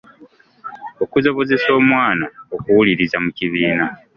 Okusobozesa omwana okuwuliriza mu kibiina.